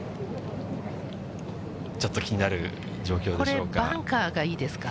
ちょっと気になる状況でしょ